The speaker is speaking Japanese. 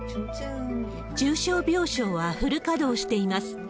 重症病床はフル稼働しています。